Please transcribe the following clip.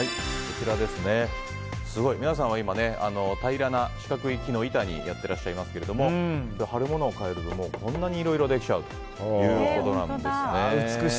皆さんは今平らな四角い木の板にやっていらっしゃいますが貼るものを変えるとこんなにいろいろ美しいです。